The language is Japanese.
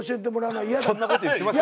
そんなこと言ってます？